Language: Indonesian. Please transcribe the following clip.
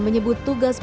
trus beberapa jam